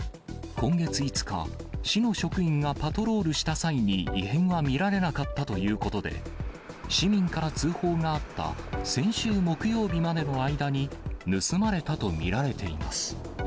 今月５日、市の職員がパトロールした際に異変は見られなかったということで、市民から通報があった先週木曜日までの間に、盗まれたと見られています。